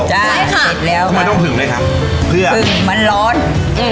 ได้ค่ะเสร็จแล้วค่ะมาต้องพึ่งด้วยค่ะเพื่อพึ่งมันร้อนอืม